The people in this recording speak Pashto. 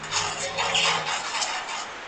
هغه وويل چي خواړه ورکول مهم دي!؟